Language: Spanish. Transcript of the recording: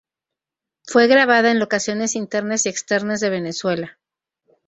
Fue grabada en locaciones internas y externas de Venezuela.